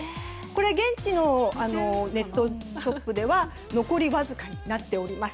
現地のネットショップでは残りわずかになっております。